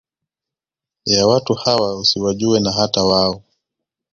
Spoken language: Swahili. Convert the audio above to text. ya watu hawa usiwajue na hata wao